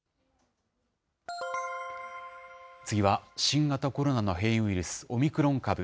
次は新型コロナの変異ウイルス、オミクロン株。